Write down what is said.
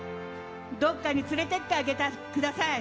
どこかに連れていってあげてください。